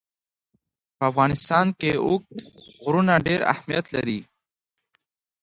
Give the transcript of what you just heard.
په افغانستان کې اوږده غرونه ډېر اهمیت لري.